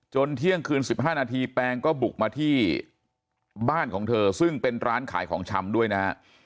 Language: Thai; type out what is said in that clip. เที่ยงคืน๑๕นาทีแปงก็บุกมาที่บ้านของเธอซึ่งเป็นร้านขายของชำด้วยนะฮะ